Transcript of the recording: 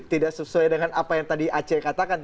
tidak sesuai dengan apa yang tadi aceh katakan